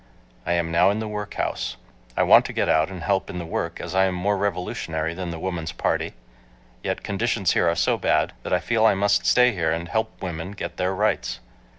I am now in the workhouse. I want to get out and help in the work as I am more revolutionary than the Woman's Party, yet conditions here are so bad that I feel I must stay here and help women get their rights.